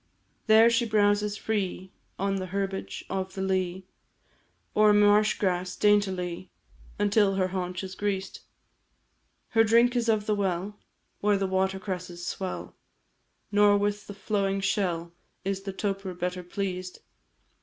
There she browses free On herbage of the lea, Or marsh grass, daintily, Until her haunch is greased. Her drink is of the well, Where the water cresses swell, Nor with the flowing shell Is the toper better pleased.